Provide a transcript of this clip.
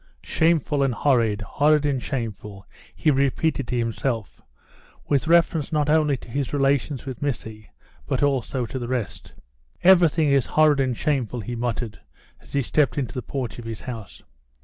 "Shameful and horrid, horrid and shameful!" he repeated to himself, with reference not only to his relations with Missy but also to the rest. "Everything is horrid and shameful," he muttered, as he stepped into the porch of his house.